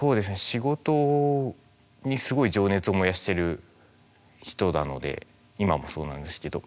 仕事にすごい情熱を燃やしてる人なので今もそうなんですけど。